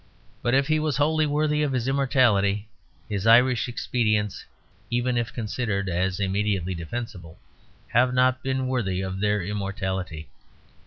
But if he was wholly worthy of his immortality, his Irish expedients, even if considered as immediately defensible, have not been worthy of their immortality.